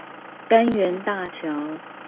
柑園大橋